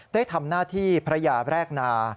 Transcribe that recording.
ได้ทำหน้าที่พระยาแรกนา